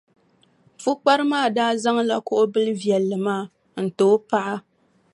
Pukpara maa daa zaŋla kuɣʼ bilʼ viɛlli maa n-ti o paɣa.